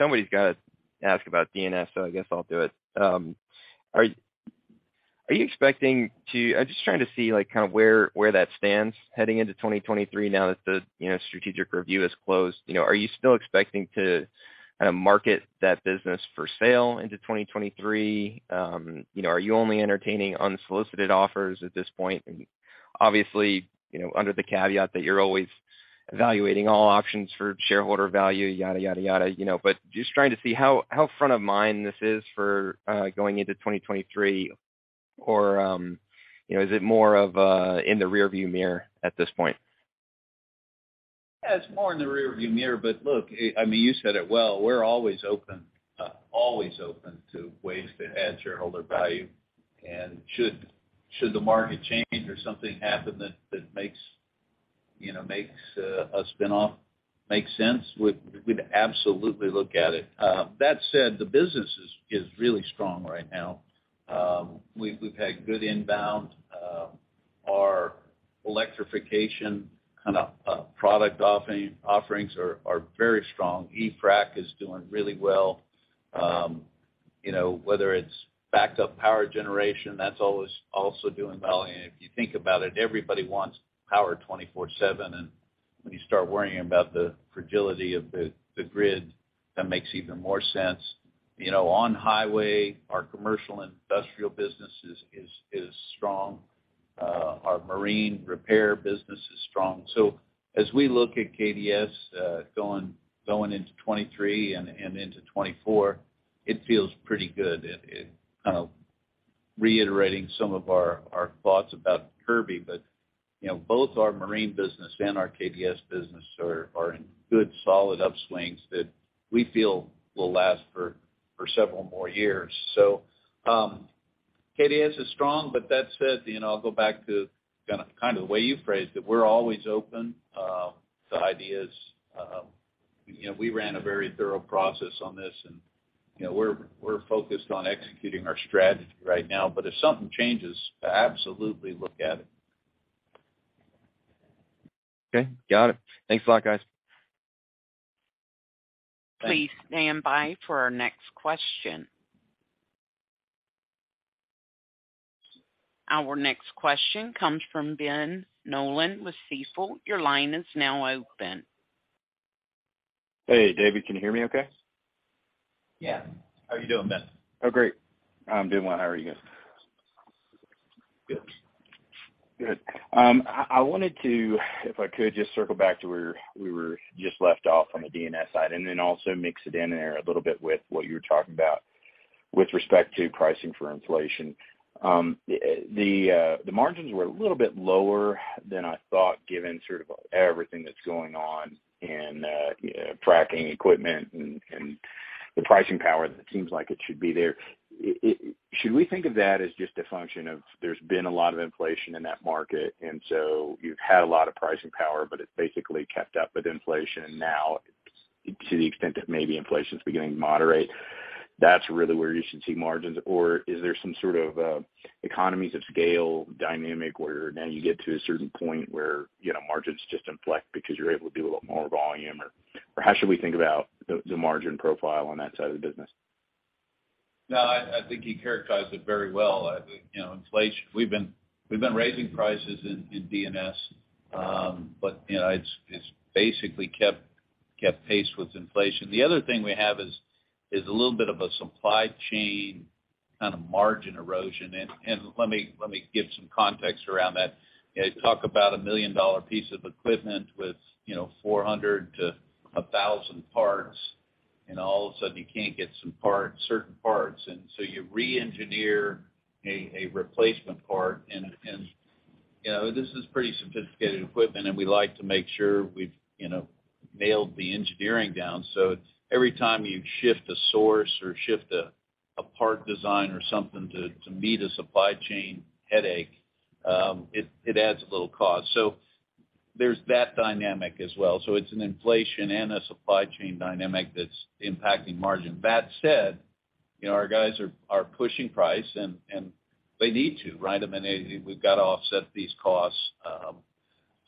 Somebody's gotta ask about DNS, so I guess I'll do it. Are you expecting to... I'm just trying to see like kind of where that stands heading into 2023 now that the, you know, strategic review is closed. You know, are you still expecting to kind of market that business for sale into 2023? You know, are you only entertaining unsolicited offers at this point? Obviously, you know, under the caveat that you're always evaluating all options for shareholder value, yada, yada, you know. Just trying to see how front of mind this is for going into 2023, or, you know, is it more of, in the rearview mirror at this point? Yeah, it's more in the rearview mirror. But look, I mean, you said it well. We're always open, always open to ways to add shareholder value. Should the market change or something happen that makes, you know, makes a spin-off make sense, we'd absolutely look at it. That said, the business is really strong right now. We've had good inbound. Our electrification kind of product offerings are very strong. EFRAC is doing really well. You know, whether it's backup power generation, that's always also doing well. If you think about it, everybody wants power 24/7. When you start worrying about the fragility of the grid, that makes even more sense. You know, on highway, our commercial industrial business is strong. Our marine repair business is strong. As we look at KDS, going into 2023 and into 2024, it feels pretty good. Kind of reiterating some of our thoughts about Kirby. You know, both our marine business and our KDS business are in good solid upswings that we feel will last for several more years. KDS is strong. That said, you know, I'll go back to the way you phrased it. We're always open to ideas. You know, we ran a very thorough process on this, and, you know, we're focused on executing our strategy right now. If something changes, I absolutely look at it. Okay. Got it. Thanks a lot, guys. Thanks. Please stand by for our next question. Our next question comes from Benjamin Nolan with Stifel. Your line is now open. Hey, David, can you hear me okay? Yeah. How are you doing, Benjamin? Oh, great. I'm doing well. How are you guys? Good. Good. I wanted to, if I could, just circle back to where we were just left off on the DNS side, and then also mix it in there a little bit with what you were talking about with respect to pricing for inflation. The margins were a little bit lower than I thought, given sort of everything that's going on in tracking equipment and the pricing power that seems like it should be there. Should we think of that as just a function of there's been a lot of inflation in that market, and so you've had a lot of pricing power, but it's basically kept up with inflation now to the extent that maybe inflation is beginning to moderate? That's really where you should see margins. Is there some sort of economies of scale dynamic where now you get to a certain point where, you know, margins just inflect because you're able to do a little more volume? How should we think about the margin profile on that side of the business? No, I think you characterized it very well. I think, you know, inflation, we've been raising prices in DNS, you know, it's basically kept pace with inflation. The other thing we have is a little bit of a supply chain kind of margin erosion. Let me give some context around that. You know, talk about a million-dollar piece of equipment with, you know, 400 to 1,000 parts, all of a sudden you can't get some parts, certain parts. You re-engineer a replacement part. You know, this is pretty sophisticated equipment, and we like to make sure we've, you know, nailed the engineering down. Every time you shift a source or shift a part design or something to meet a supply chain headache, it adds a little cost. There's that dynamic as well. It's an inflation and a supply chain dynamic that's impacting margin. That said, you know, our guys are pushing price and they need to, right? I mean, we've got to offset these costs.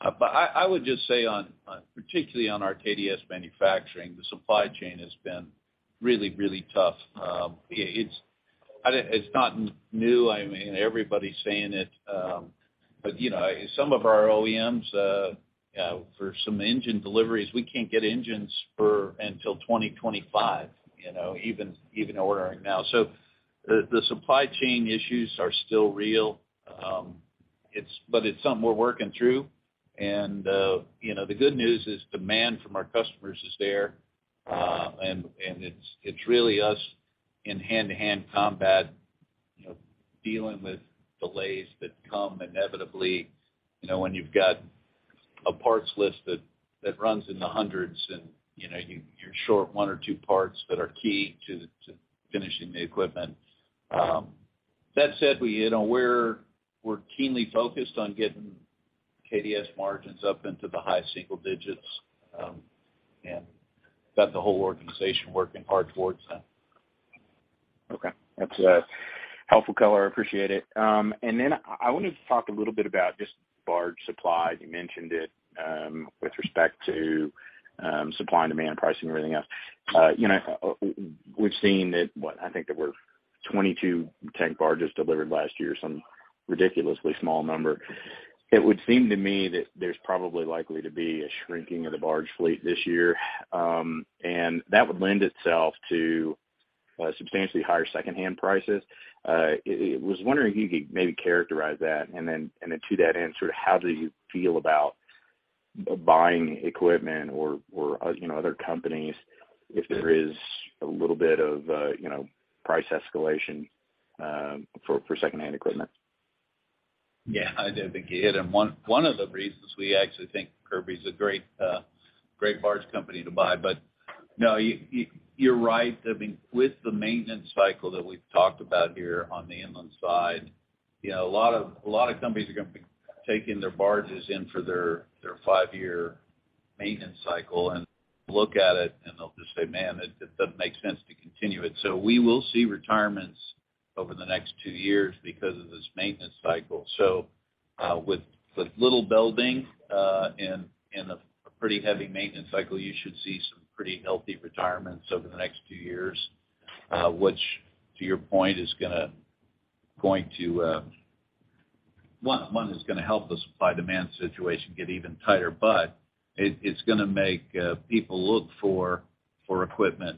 But I would just say on particularly on our KDS manufacturing, the supply chain has been really, really tough. It's, I think it's not new. I mean, everybody's saying it. But, you know, some of our OEMs, for some engine deliveries, we can't get engines for until 2025, you know, even ordering now. The supply chain issues are still real. But it's something we're working through. You know, the good news is demand from our customers is there. And it's really us in hand-to-hand combat, you know, dealing with delays that come inevitably, you know, when you've got a parts list that runs in the hundreds and, you know, you're short one or two parts that are key to finishing the equipment. That said, you know, we're keenly focused on getting KDS margins up into the high single digits, and got the whole organization working hard towards that. Okay. That's a helpful color. I appreciate it. I wanted to talk a little bit about just barge supply. You mentioned it with respect to supply and demand pricing and everything else. You know, we've seen that, what, I think there were 22 tank barges delivered last year, some ridiculously small number. It would seem to me that there's probably likely to be a shrinking of the barge fleet this year, and that would lend itself to substantially higher secondhand prices. I was wondering if you could maybe characterize that. To that end, sort of how do you feel about buying equipment or, you know, other companies if there is a little bit of, you know, price escalation for secondhand equipment? Yeah, I think you hit on one of the reasons we actually think Kirby is a great barge company to buy. No, you're right. I mean, with the maintenance cycle that we've talked about here on the inland side, you know, a lot of companies are gonna be taking their barges in for their five-year maintenance cycle and look at it, and they'll just say, "Man, it doesn't make sense to continue it." We will see retirements over the next two years because of this maintenance cycle. With little building, and a pretty heavy maintenance cycle, you should see some pretty healthy retirements over the next few years, which to your point, is going to help the supply demand situation get even tighter, but it's gonna make people look for equipment.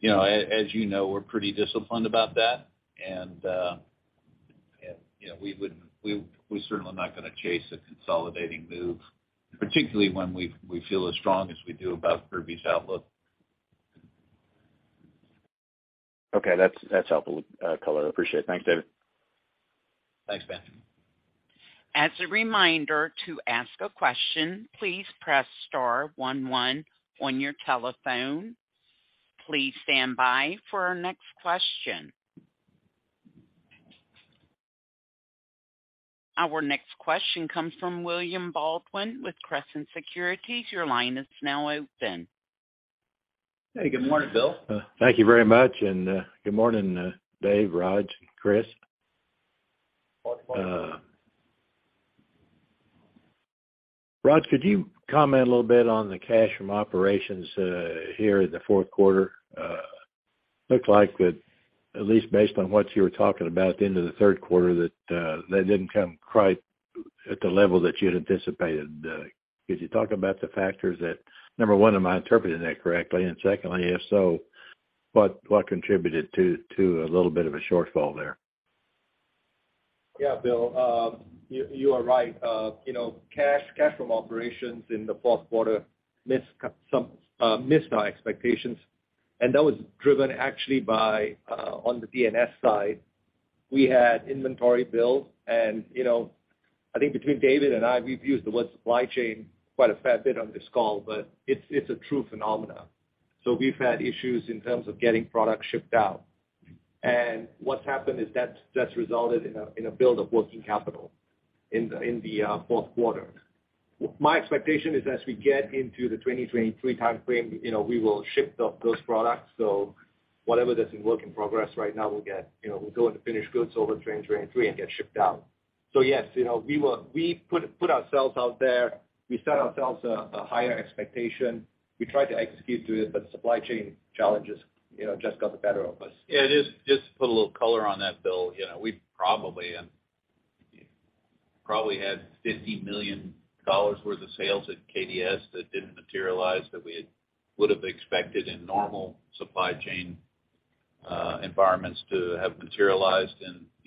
You know, as you know, we're pretty disciplined about that. You know, we're certainly not gonna chase a consolidating move, particularly when we feel as strong as we do about Kirby's outlook. Okay. That's helpful color. Appreciate it. Thanks, David. Thanks, Benjamin. As a reminder, to ask a question, please press star one one on your telephone. Please stand by for our next question. Our next question comes from William Baldwin with Crescent Securities. Your line is now open. Hey, good morning, William. Thank you very much, good morning, David, Raj, Kurt. Good morning. Raj, could you comment a little bit on the cash from operations here in the fourth quarter? Looked like that, at least based on what you were talking about at the end of the third quarter, that didn't come quite at the level that you had anticipated. Could you talk about the factors that number one, am I interpreting that correctly? Secondly, if so, what contributed to a little bit of a shortfall there? Yeah, William. You are right. You know, cash from operations in the fourth quarter missed our expectations, and that was driven actually by on the DNS side. We had inventory build and, you know, I think between David and I, we've used the word supply chain quite a fair bit on this call, but it's a true phenomena. We've had issues in terms of getting product shipped out. What's happened is that's resulted in a build of working capital in the fourth quarter. My expectation is as we get into the 2023 time frame, you know, we will ship those products. Whatever that's in work in progress right now will get, you know, will go into finished goods over in 2023 and get shipped out. Yes, you know, we put ourselves out there. We set ourselves a higher expectation. We tried to execute to it, but supply chain challenges, you know, just got the better of us. Yeah, just to put a little color on that, Bill. You know, we probably had $50 million worth of sales at KDS that didn't materialize, that we would have expected in normal supply chain environments to have materialized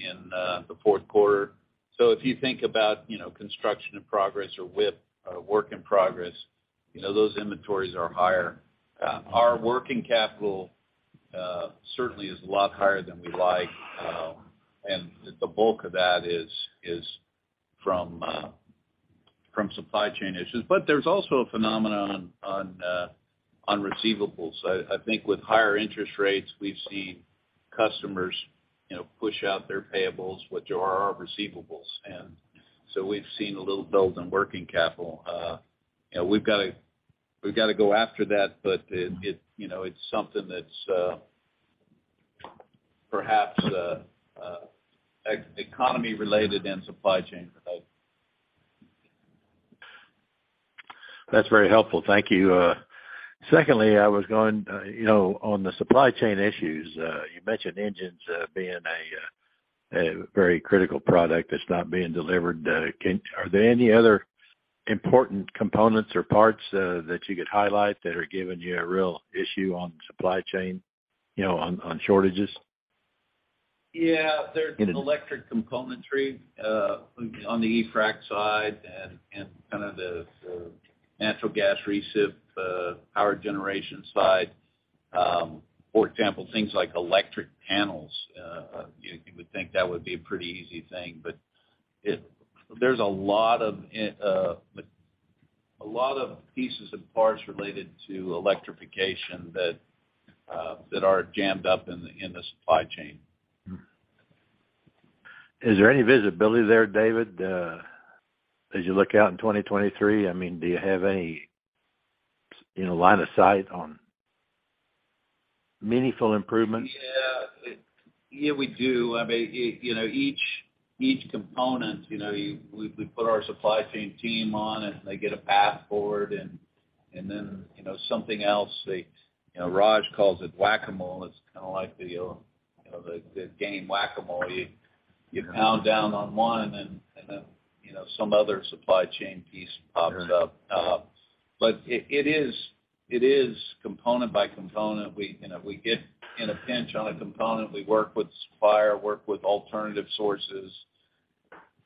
in the fourth quarter. If you think about, you know, construction in progress or WIP, work in progress, you know, those inventories are higher. Our working capital certainly is a lot higher than we like, and the bulk of that is from supply chain issues. There's also a phenomenon on receivables. I think with higher interest rates, we've seen customers, you know, push out their payables, which are our receivables. We've seen a little build in working capital. You know, we've got to go after that, but it, you know, it's something that's perhaps the economy related and supply chain related. That's very helpful. Thank you. Secondly, I was going, you know, on the supply chain issues. You mentioned engines, being a very critical product that's not being delivered. Are there any other important components or parts that you could highlight that are giving you a real issue on supply chain, you know, on shortages? Yeah. There's an electric componentry on the EFRAC side and kind of the natural gas reciprocating power generation side. For example, things like electric panels. You know, you would think that would be a pretty easy thing, but there's a lot of pieces and parts related to electrification that are jammed up in the supply chain. Is there any visibility there, David, as you look out in 2023? I mean, do you have any, you know, line of sight on meaningful improvements? Yeah, we do. I mean, you know, each component, we put our supply chain team on it and they get a path forward. Then, you know, something else, they, you know, Raj calls it Whac-A-Mole. It's kind of like the game Whac-A-Mole. You pound down on one, then, you know, some other supply chain piece pops up. It is component by component. We, you know, we get in a pinch on a component, we work with the supplier, work with alternative sources,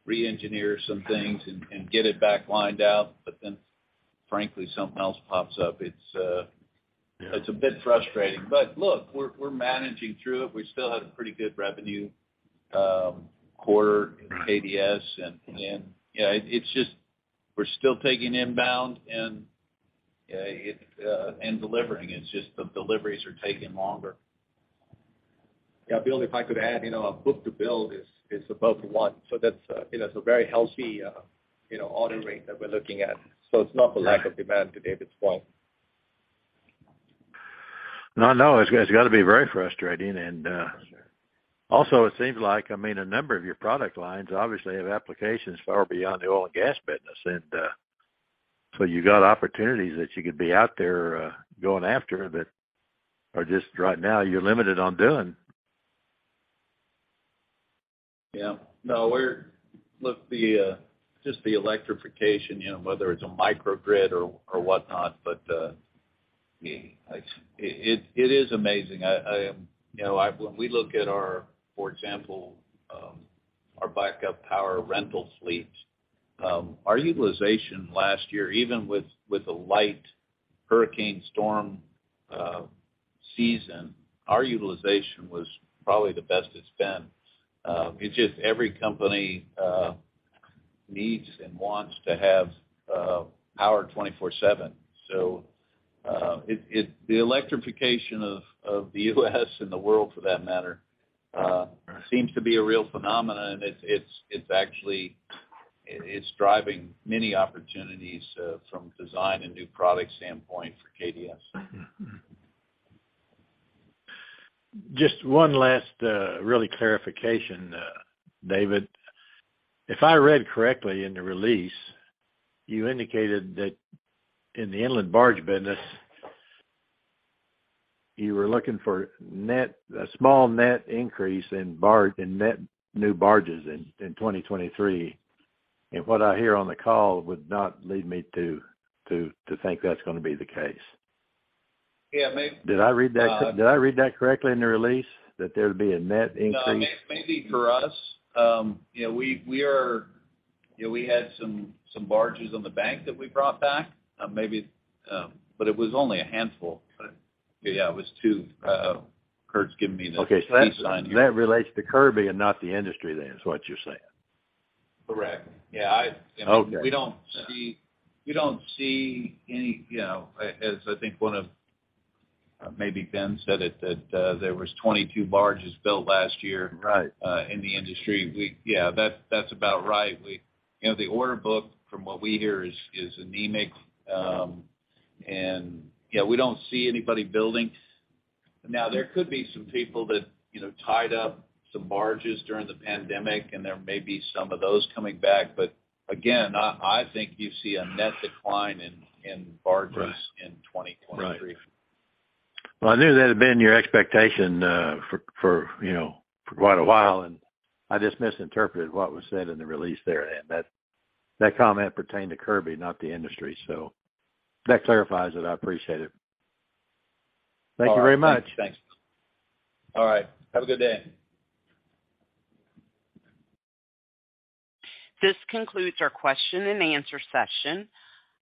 re-engineer some things, and get it back lined out. Then, frankly, something else pops up. Yeah. It's a bit frustrating. Look, we're managing through it. We still had a pretty good revenue, quarter in KDS. You know, it's just, we're still taking inbound and delivering. It's just the deliveries are taking longer. Yeah. William, if I could add, you know, our book-to-bill is above one. That's, you know, it's a very healthy, you know, order rate that we're looking at. It's not for lack of demand, to David's point. No, I know. It's gotta be very frustrating. For sure. Also, it seems like, I mean, a number of your product lines obviously have applications far beyond the oil and gas business. You got opportunities that you could be out there going after that are just right now you're limited on doing. No, we're look, the just the electrification, you know, whether it's a microgrid or whatnot. It is amazing. I am. You know, when we look at our, for example, our backup power rental fleets, our utilization last year, even with a light hurricane storm season, our utilization was probably the best it's been. It's just every company needs and wants to have power 24/7. The electrification of the U.S. and the world for that matter seems to be a real phenomenon. It's actually driving many opportunities from design and new product standpoint for KDS. Just one last really clarification, David, If I read correctly in the release, you indicated that in the inland barge business, you were looking for a small net increase in net new barges in 2023. What I hear on the call would not lead me to think that's gonna be the case. Yeah, maybe- Did I read that correctly in the release that there'd be a net increase? Maybe for us. You know, we had some barges on the bank that we brought back, maybe, but it was only a handful. Yeah, it was two. Kurt's giving me the peace sign here. That relates to Kirby and not the industry then, is what you're saying. Correct. Yeah. I, you know- Okay. We don't see any, you know, as I think one of, maybe Benjamin said it, that, there was 22 barges built last year. Right. In the industry. Yeah, that's about right. You know, the order book from what we hear is anemic. Yeah, we don't see anybody building. Now, there could be some people that, you know, tied up some barges during the pandemic, there may be some of those coming back. Again, I think you see a net decline in barges- Right. In 2023. Right. Well, I knew that had been your expectation for, you know, for quite a while. I just misinterpreted what was said in the release there. That comment pertained to Kirby, not the industry. That clarifies it. I appreciate it. Thank you very much. All right. Thanks. All right. Have a good day. This concludes our question-and-answer session.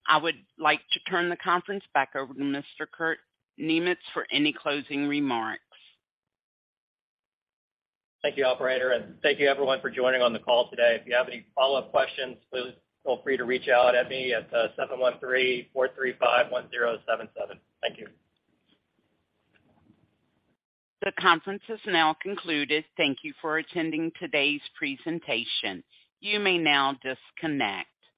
I would like to turn the conference back over to Mr. Kurt Niemietz for any closing remarks. Thank you, operator, and thank you everyone for joining on the call today. If you have any follow-up questions, please feel free to reach out at me at 713-435-1077. Thank you. The conference is now concluded. Thank you for attending today's presentation. You may now disconnect.